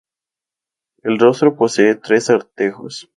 El rostro posee tres artejos.